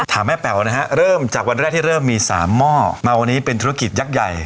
แม่แป๋วนะฮะเริ่มจากวันแรกที่เริ่มมี๓หม้อมาวันนี้เป็นธุรกิจยักษ์ใหญ่